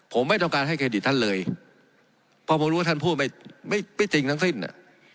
ผมไม่ต้องการให้เครดิตท่านเลยเพราะผมรู้ว่าท่านพูดไม่ไม่จริงทั้งสิ้นอ่ะ